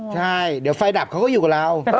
ใช่เดี๋ยวไฟดับเขาก็อยู่กับเรา